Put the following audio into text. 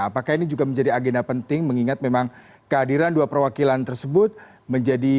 apakah ini juga menjadi agenda penting mengingat memang kehadiran dua perwakilan tersebut menjadi